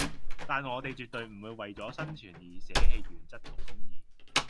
但我地絕對唔會為左生存而捨棄原則同公義